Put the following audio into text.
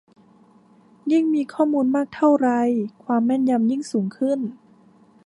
ยิ่งมีข้อมูลมากเท่าไร ความแม่นยำยิ่งสูงขึ้น